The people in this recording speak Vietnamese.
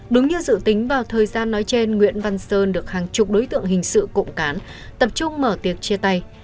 đúng như dự tính vào thời gian nói trên nguyễn văn sơn được hàng chục đối tượng hình sự cộng cán tập trung mở tiệc chia tay